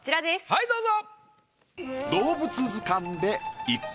はいどうぞ！